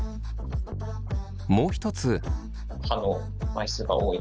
もう一つ。